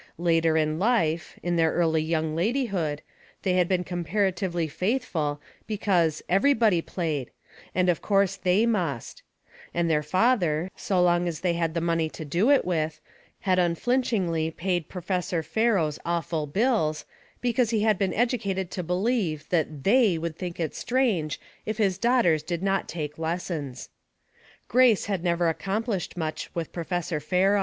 Later in life — in their early young laJj'hood — they had been comparatively faith ful, because '* everybody played," and of course they must ; and their father, so long as they had the money to do it with, had unflinchingly paid Professor Fero's awful bills, because he had been educated to believe that • they " would think it strange if his daughters did not take lessons. Grace had never accomplished much with Pro fessor Fero.